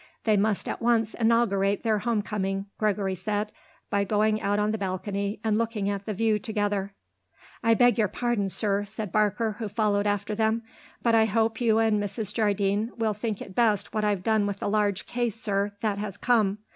They must at once inaugurate their home coming, Gregory said, by going out on the balcony and looking at the view together. "I beg your pardon, sir," said Barker, who followed after them, "but I hope you and Mrs. Jardine will think it best what I've done with the large case, sir, that has come.